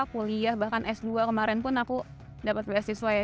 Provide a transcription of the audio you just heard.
kuliah bahkan s dua kemarin pun aku dapat beasiswa ya